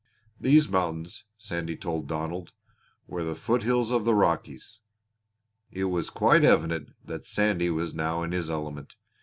These mountains, Sandy told Donald, were the foot hills of the Rockies. It was quite evident that Sandy was now in his element.